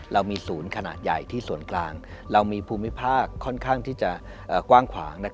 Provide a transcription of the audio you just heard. เรามีศูนย์ขนาดใหญ่ที่ส่วนกลางเรามีภูมิภาคค่อนข้างที่จะกว้างขวาง